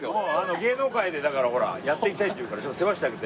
芸能界でだからほらやっていきたいって言うからちょっと世話してあげて。